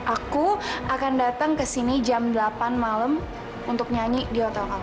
aku akan datang ke sini jam delapan malam untuk nyanyi di hotel kami